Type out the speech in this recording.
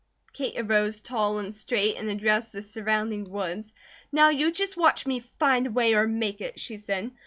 Kate arose tall and straight and addressed the surrounding woods. "Now you just watch me 'find a way or make it,'" she said.